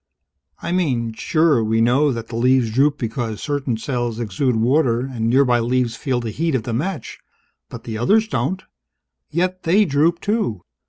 I mean, sure, we know that the leaves droop because certain cells exude water and nearby leaves feel the heat of the match. But the others don't, yet they droop, too.